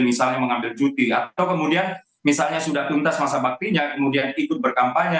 misalnya mengambil cuti atau kemudian misalnya sudah tuntas masa baktinya kemudian ikut berkampanye